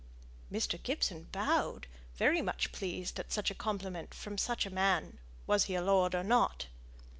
Mr. Gibson bowed, much pleased at such a compliment from such a man, were he lord or not.